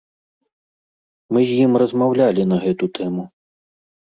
Мы з ім размаўлялі на гэту тэму.